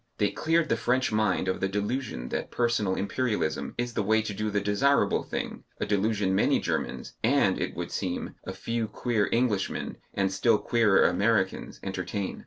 They cleared the French mind of the delusion that personal Imperialism is the way to do the desirable thing, a delusion many Germans (and, it would seem, a few queer Englishmen and still queerer Americans) entertain.